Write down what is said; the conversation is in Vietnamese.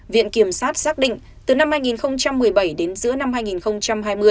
viện kiểm sát xác định từ năm hai nghìn một mươi bảy đến giữa năm hai nghìn hai mươi